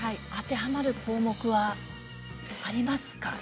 当てはまる項目はありますか？